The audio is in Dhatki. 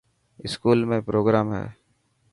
اسڪول ۾ پروگرام هي.